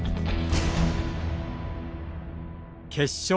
決勝。